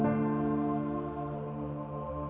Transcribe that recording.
gak ada yang bisa dihukum